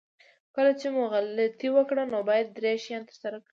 کله چې مو غلطي وکړه نو باید درې شیان ترسره کړئ.